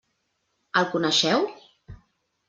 El coneixeu?